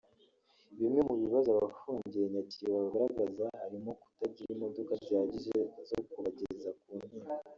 Bimwe mu bibazo abafungiye Nyakiriba bagaraza harimo icyo kutagira imodoka zihagije zo kubageza ku nkiko